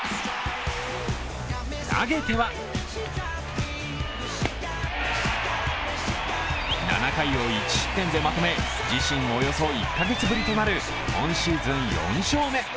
投げては７回を１失点でまとめ、自身およそ１カ月ぶりとなる今シーズン４勝目。